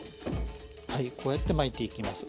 はいこうやって巻いていきます。